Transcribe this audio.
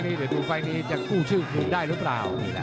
เดี๋ยวดูไฟล์นี้จะกู้ชื่อคุณได้หรือเปล่า